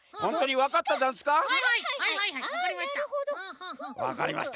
わかりました。